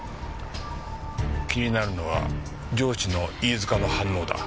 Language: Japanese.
気になるのは上司の飯塚の反応だ。